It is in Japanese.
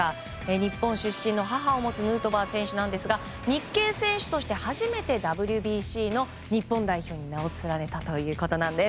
日本出身の母を持つヌートバー選手なんですが日系選手として初めて、ＷＢＣの日本代表に名を連ねたということなんです。